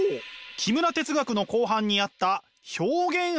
木村哲学の後半にあった表現愛！